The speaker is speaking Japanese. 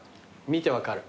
見て分かる。